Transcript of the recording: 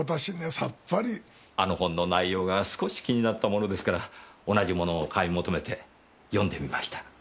あの本の内容が少し気になったものですから同じものを買い求めて読んでみました。